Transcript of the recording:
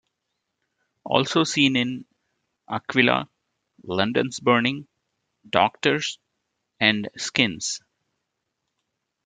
Also seen in "Aquila", "London's Burning", "Doctors" and "Skins".